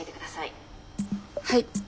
はい。